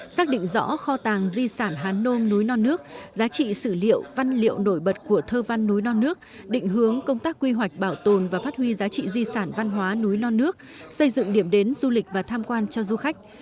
xác định rõ kho tàng di sản hán nôm núi non nước giá trị sử liệu văn liệu nổi bật của thơ văn núi non nước định hướng công tác quy hoạch bảo tồn và phát huy giá trị di sản văn hóa núi non nước xây dựng điểm đến du lịch và tham quan cho du khách